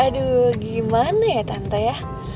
aduh gimana ya tanta ya